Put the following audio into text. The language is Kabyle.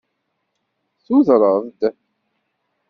Tudreḍ-d.